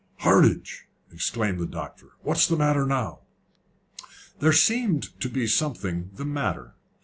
"Hardinge!" exclaimed the doctor; "what's the matter now?" There seemed to be something the matter.